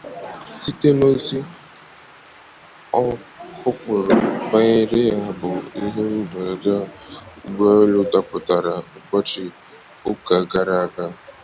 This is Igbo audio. site n'ozi ọ kụpụrụ banyere ya bụ ihe mberede ụgbọelu dapụtara ụbọchị ụka gara aga.